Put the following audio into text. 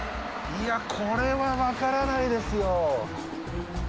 いやこれはわからないですよ。